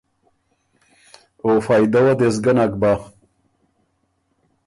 او فائدۀ وه دې سو ګۀ نک بۀ۔